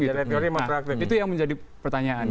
teori itu yang menjadi pertanyaan